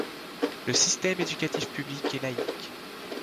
Le système éducatif public est laïc.